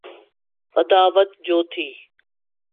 عداوت جو تھی۔